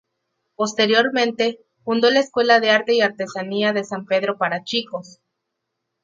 Posteriormente, fundó la Escuela de Arte y Artesanía de San Pedro para chicos.